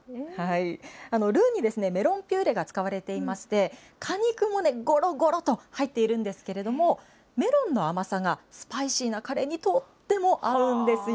ルーにメロンピューレが使われていまして、果肉もごろごろと入っているんですけれども、メロンの甘さがスパイシーなカレーにとっても合うんですよ。